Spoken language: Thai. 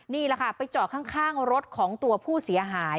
นี่แหละค่ะไปจอดข้างรถของตัวผู้เสียหาย